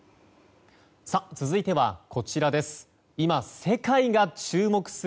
続いてはこちらです。